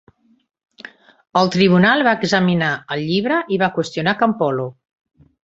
El tribunal va examinar el llibre i va qüestionar Campolo.